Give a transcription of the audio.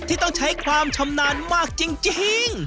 ที่ต้องใช้ความชำนาญมากจริง